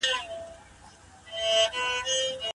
خپل مصارف د خپل توان په اندازه کړئ.